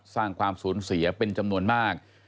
สร้างความสูญเสียเป็นจำนวนมาก